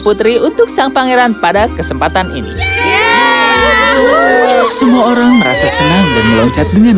putri untuk sang pangeran pada kesempatan ini semua orang merasa senang dan meloncat dengan